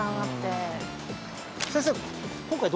先生。